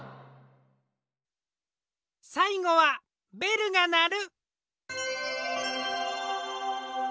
さいごは「べるがなる」。